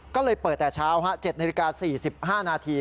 ก็เลยเปิดแต่เช้า๗นาฬิกา๔๕นาที